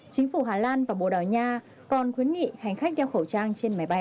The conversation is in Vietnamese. chính phủ hà lan và bồ đào nha còn khuyến nghị hành khách đeo khẩu trang trên máy bay